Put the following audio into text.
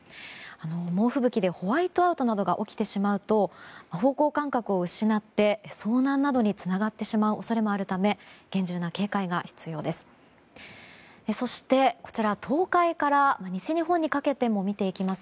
猛吹雪でホワイトアウトなどが起きてしまうと方向感覚を失って遭難などにつながってしまう恐れもあるため厳重な警戒が必要です。